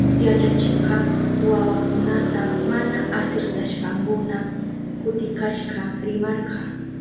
Yachachikka wawakunata mana asirtashpankuna kutikashka rimarka.